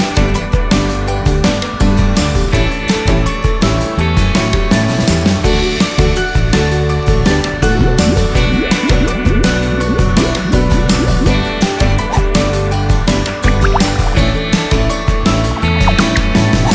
สวัสดีค่ะ